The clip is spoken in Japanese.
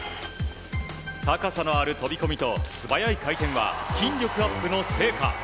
高さのある飛込と素早い回転は筋力アップの成果。